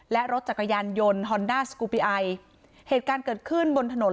และรถจักรยานยนต์ฮอนด้าสกูปิไอเหตุการณ์เกิดขึ้นบนถนน